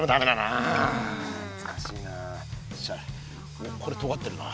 おっこれとがってるな。